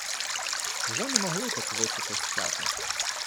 Вже не могти так високо сцяти